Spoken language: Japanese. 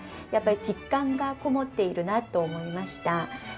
やっぱり実感がこもっているなと思いました。